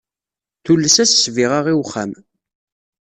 Tules-as ssbiɣa i wexxam.